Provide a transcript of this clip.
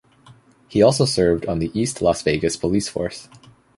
He also served on the East Las Vegas police force.